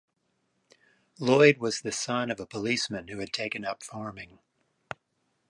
Lloyd was the son of a policeman who had taken up farming.